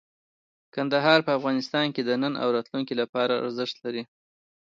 کندهار په افغانستان کې د نن او راتلونکي لپاره ارزښت لري.